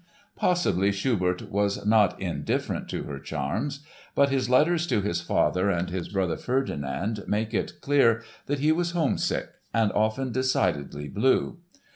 Possibly Schubert was not indifferent to her charms. But his letters to his father and his brother Ferdinand make it clear that he was homesick and often decidedly blue.